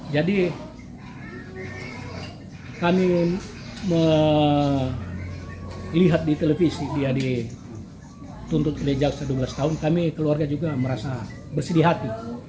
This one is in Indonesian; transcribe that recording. jadi kami melihat di televisi dia dituntut kelejaksa dua belas tahun kami keluarga juga merasa bersedih hati